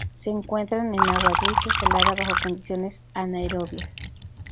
Se encuentran en agua dulce o salada bajo condiciones anaerobias.